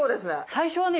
最初はね